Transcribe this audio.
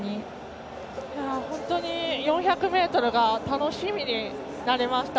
本当に４００ｍが楽しみになりました。